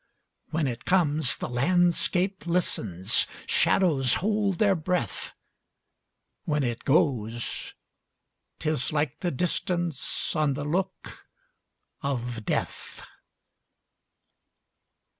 When it comes, the landscape listens, Shadows hold their breath; When it goes, 't is like the distanceOn the look of death.